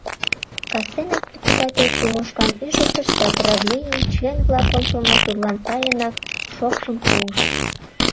Кастенак председатель Тимошкам ӱжыктыш да правлений член-влак ончылно тудлан сайынак шокшым пуыш.